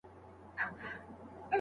چي اوسیږي به پر کور د انسانانو